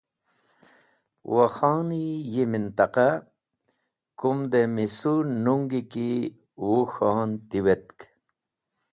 Wakhani yi mantẽqa kumdẽ misu nung ki Wuk̃hon tiwetk.